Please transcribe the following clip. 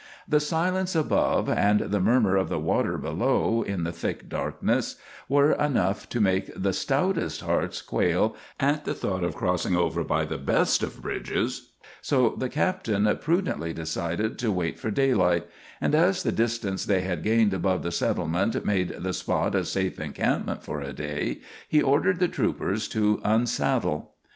The silence above and the murmur of the water below in the thick darkness were enough to make the stoutest hearts quail at the thought of crossing over by the best of bridges, so the captain prudently decided to wait for daylight; and as the distance they had gained above the settlement made the spot a safe encampment for a day, he ordered the troopers to unsaddle.